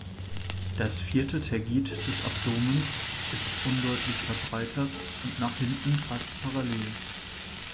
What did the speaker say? Das vierte Tergit des Abdomens ist undeutlich verbreitert und nach hinten fast parallel.